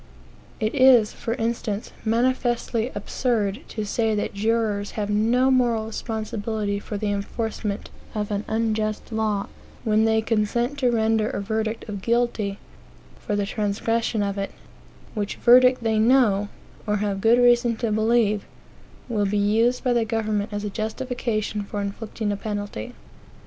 It is, for instance, manifestly absurd to say that jurors have no moral responsibility for the enforcement of an unjust law, when they consent to render a verdict of guilty for the transgression of it; which verdict they know, or have good reason to believe, will be used by the government as a justification for inflicting a penalty.